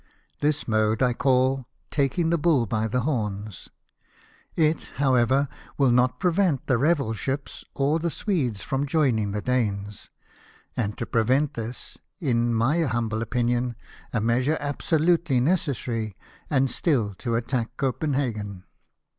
This mode I call taking the bull by the horns. It, however, will not prevent the Revel ships or the Swedes from joining the Danes, and to prevent this is, in my humble opinion, a measure absolutely necessary, and still to attack Copenhagen."